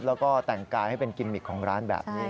แล้วก็แต่งกายให้เป็นกิมมิกของร้านแบบนี้